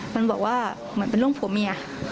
มันบอกว่าเหมือนเป็นเรื่องผัวเมีย